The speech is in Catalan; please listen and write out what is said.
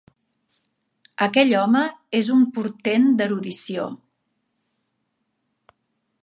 Aquell home és un portent d'erudició.